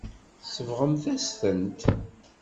Tsebɣem-as-tent.